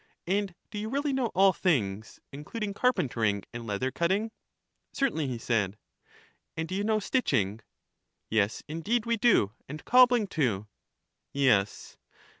And do you really know all things, including car pentering and leather cutting? Certainly, he said. And do you know stitching? Yes, indeed we do, and cobbling, too. Yes.